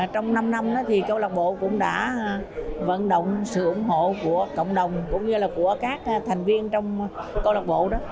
trong năm năm thì câu lạc bộ cũng đã vận động sự ủng hộ của cộng đồng cũng như là của các thành viên trong câu lạc bộ đó